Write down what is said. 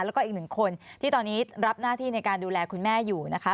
แล้วก็อีกหนึ่งคนที่ตอนนี้รับหน้าที่ในการดูแลคุณแม่อยู่นะคะ